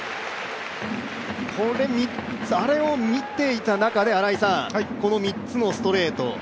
あれを見ていた中でこの３つのストレート。